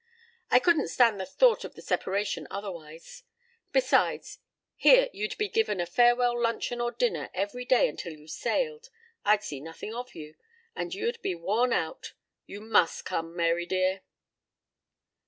I couldn't stand the thought of the separation otherwise. Besides, here you'd be given a farewell luncheon or dinner every day until you sailed. I'd see nothing of you. And you'd be worn out. You must come, Mary dear."